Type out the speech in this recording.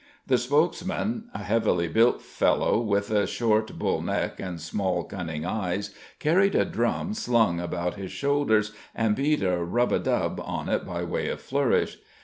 The spokesman, a heavily built fellow with a short bull neck and small cunning eyes, carried a drum slung about his shoulders and beat a rub a dub on it by way of flourish.